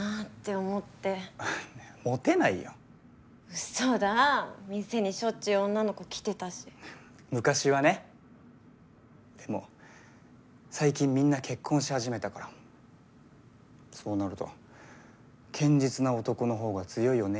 ウソだ店にしょっちゅう女の子来てたし昔はねでも最近みんな結婚し始めたからそうなると堅実な男のほうが強いよね